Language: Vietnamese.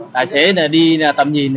tài xế đi tầm nhìn